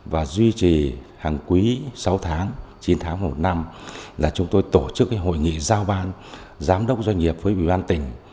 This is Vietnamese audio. và duy trì hàng quý sáu tháng chín tháng một năm là chúng tôi tổ chức hội nghị giao ban giám đốc doanh nghiệp với ủy ban tỉnh